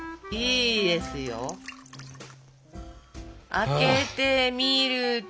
開けてみると？